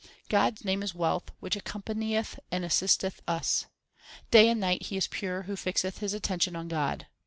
God s name is wealth which accompanieth and assisteth us. Day and night he is pure who fixeth his attention on God.